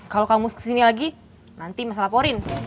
kalau kamu kesini lagi nanti masalah laporin